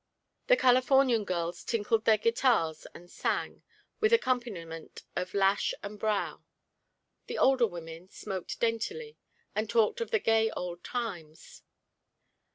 The Californian girls tinkled their guitars and sang, with accompaniment of lash and brow. The older women smoked daintily, and talked of the gay old times.